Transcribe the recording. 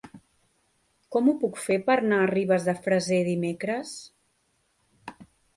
Com ho puc fer per anar a Ribes de Freser dimecres?